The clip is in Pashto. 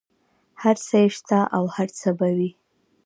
هر څه یې شته او هر څه به وي.